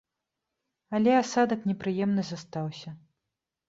Але асадак непрыемны застаўся.